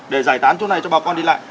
để giải tán chỗ này cho bà con đi lại